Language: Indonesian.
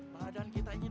badan kita ini dua bandit